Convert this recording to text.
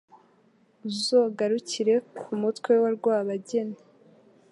Uzogarukire ku mutwe wa Rwabageni,